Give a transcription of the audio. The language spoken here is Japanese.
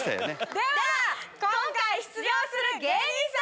では今回出場する芸人さん